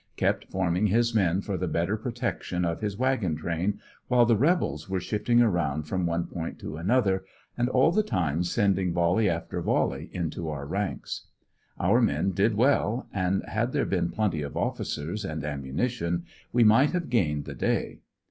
Kept forming his men for the better protection of his wagoQ train, while the rebels were shifting around from one point to another, and ail the time sending volley after volley into our ranks. Our men did well, and had there been plenty of officers and ammunition, we might have gained the day.